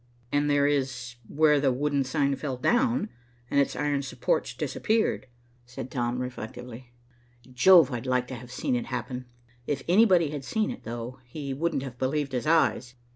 "And there is where the wooden sign fell down, and its iron supports disappeared," said Tom reflectively. "Jove, I'd like to have seen it happen. If anybody had seen it, though, he wouldn't have believed his eyes."